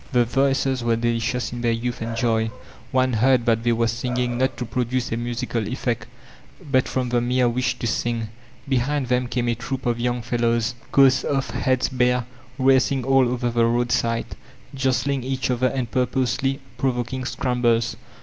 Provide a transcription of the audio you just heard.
The voices were delicious in their youth and joy ; one heard that they were singing not to produce a musical effect, but from the mere wish to sing. Behind them came a troop of yotmg fellows, coats off, heads bare, racing all over the roadside, jostling each other and purposely provoking scrambles.